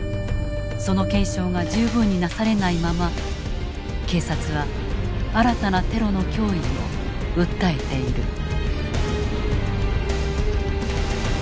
その検証が十分になされないまま警察は新たなテロの脅威を訴えている。